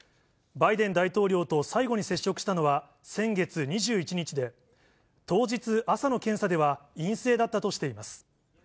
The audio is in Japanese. バイデン大統領と最後に接触したのは先月２１日で、当日朝の検査では陰性だったとしています。